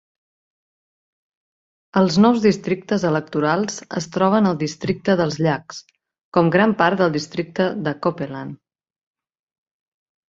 Els nous districtes electorals es troben al Districte dels Llacs, com gran part del districte de Copeland.